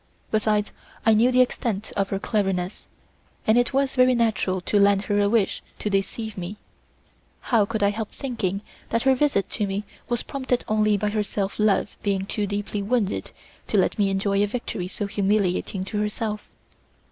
Besides, I knew the extent of her cleverness, and it was very natural to lend her a wish to deceive me; how could I help thinking that her visit to me was prompted only by her self love being too deeply wounded to let me enjoy a victory so humiliating to herself?